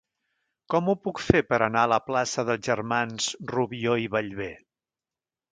Com ho puc fer per anar a la plaça dels Germans Rubió i Bellver?